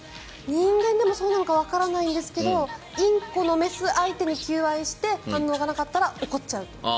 人間でもそうなのかわからないんですがインコの雌相手に求愛して反応がなかったら怒っちゃう。